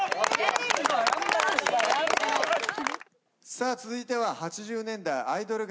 さあ続いては８０年代アイドル合唱団です。